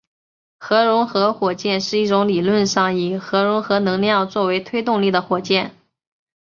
核融合火箭是一种理论上以核融合能量作为推动力的火箭。